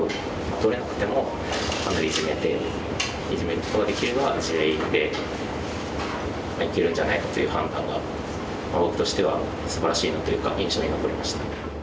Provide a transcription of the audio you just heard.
取れなくてもイジメてイジメることができれば地合いでいけるんじゃないかという判断が僕としてはすばらしいなというか印象に残りました。